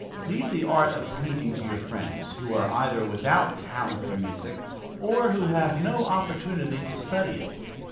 Leave the art of painting to your friends, who are either without talent for music, or who have no opportunity to study it.